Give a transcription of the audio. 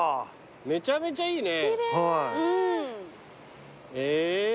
めちゃめちゃいいね。